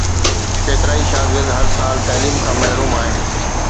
ڪيترائي شاگرد هر سال تعليم کان محروم آهن